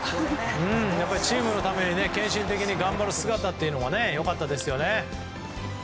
チームのために献身的に頑張る姿も良かったですよね。